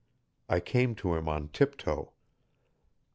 I came to him on tiptoe.